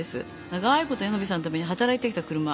長いことヤノベさんのためにはたらいてきた車。